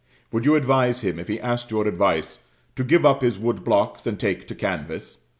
Would you advise him, if he asked your advice, to give up his wood blocks and take to canvas?